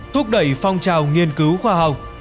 thúc đẩy phong trào nghiên cứu khoa học